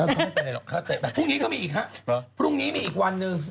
พรุ่งนี้ก็มีอีกครับพรุ่งนี้มีอีกวันหนึ่ง